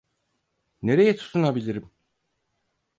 Nereye tutunabilirim?